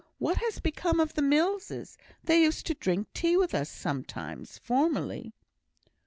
What has become of the Millses? They used to drink tea with us sometimes, formerly."